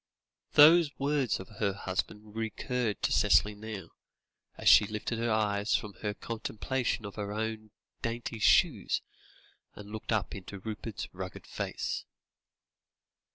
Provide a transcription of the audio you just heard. Those words of her husband recurred to Cicely now, as she lifted her eyes from their contemplation of her own dainty shoes and looked up into Rupert's rugged face.